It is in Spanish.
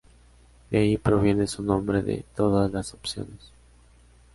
De ahí proviene su nombre de "Todas las opciones".